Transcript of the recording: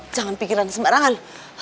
jangan pikir pikiran sembarangan